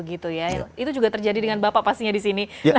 itu juga terjadi dengan bapak pastinya disini